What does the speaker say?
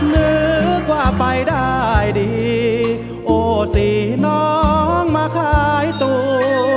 นึกว่าไปได้ดีโอ้สิน้องมาขายตัว